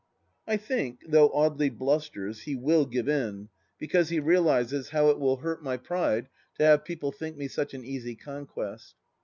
I think, though Audely blusters, he will give in, because 19 290 THE LAST DITCH he realizes how it will hurt my pride to have people think me such an easy conquest.